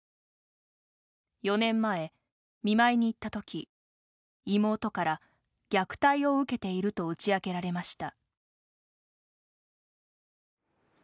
４年前、見舞いに行ったとき妹から、虐待を受けていると打ち明けられました。